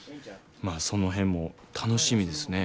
まあその辺も楽しみですね。